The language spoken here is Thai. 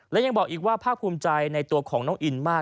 และยังบอกอีกว่าภาคภูมิใจในตัวของน้องอินมาก